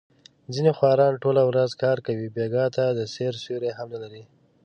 ځنې خواران ټوله ورځ کار کوي، بېګاه ته د سیر سیوری هم نه لري.